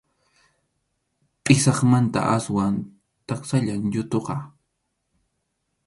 Pʼisaqmanta aswan taksallam yuthuqa.